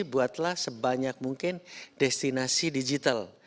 buatlah sebanyak mungkin destinasi digital